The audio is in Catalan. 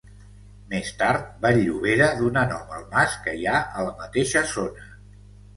Més tard, Vall-llobera donà nom al mas que hi ha a la mateixa zona.